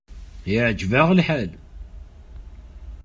Iɛǧeb-aɣ lḥal.